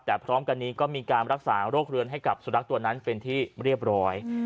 แต่พร้อมกันนี้ก็มีการรักษาโรคเรือนให้กับสุนัขตัวนั้นเป็นที่เรียบร้อย